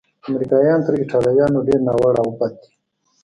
امریکایان تر ایټالویانو ډېر ناوړه او بد دي.